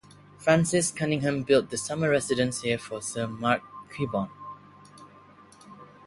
Francis Cunningham built the summer residence here for Sir Mark Cubbon.